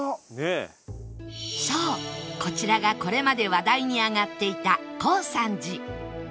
そうこちらがこれまで話題に上がっていた耕三寺